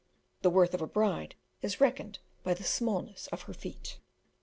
The worth of a bride is reckoned by the smallness of her feet.